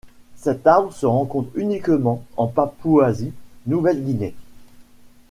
Cet arbre se rencontre uniquement en Papouasie-Nouvelle-Guinée.